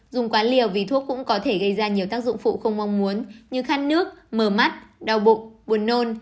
dùng quán liều vì thuốc cũng có thể gây ra nhiều tác dụng phụ không mong muốn như khăn nước mờ mắt đau bụng buồn nôn